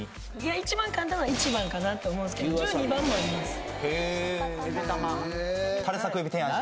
一番簡単なのは１番かなと思うんですけど１２番もありますへえたれ